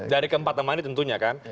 dari keempat nama ini tentunya kan